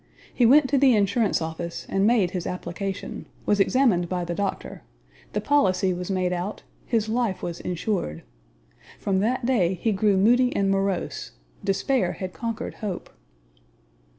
He went to the insurance office, and made his application was examined by the doctor the policy was made out, his life was insured. From that day he grew moody and morose, despair had conquered hope.